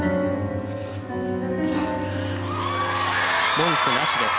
文句なしです。